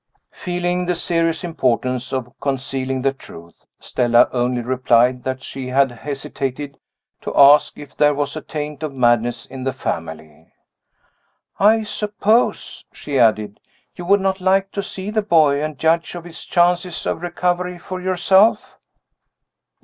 Feeling the serious importance of concealing the truth, Stella only replied that she had hesitated to ask if there was a taint of madness in the family. "I suppose," she added, "you would not like to see the boy, and judge of his chances of recovery for yourself?"